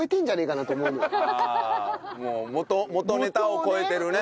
ああもう元ネタを超えてるね。